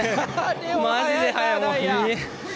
マジで速い。